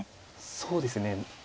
そうですね。